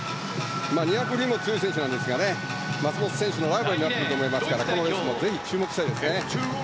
２００にも強い選手なんですが松元選手のライバルになってますからこのレースもぜひ注目したいですね。